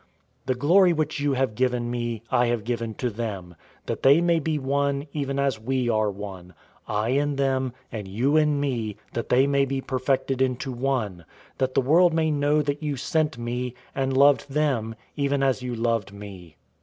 017:022 The glory which you have given me, I have given to them; that they may be one, even as we are one; 017:023 I in them, and you in me, that they may be perfected into one; that the world may know that you sent me, and loved them, even as you loved me.